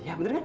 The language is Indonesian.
iya benar kan